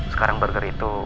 sekarang burger itu